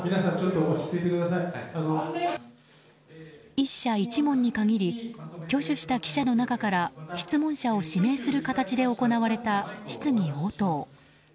１社１問に限り挙手した記者の中から質問者を指名する形で行われた質疑応答。